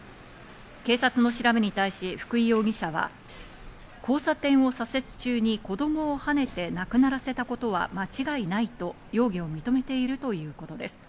警察の調べに対し福井容疑者は交差点を左折中に子供をはねて亡くならせたことは間違いないと容疑を認めているということです。